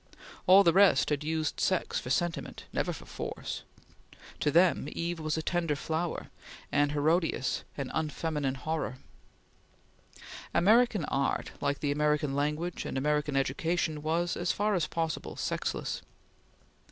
All the rest had used sex for sentiment, never for force; to them, Eve was a tender flower, and Herodias an unfeminine horror. American art, like the American language and American education, was as far as possible sexless.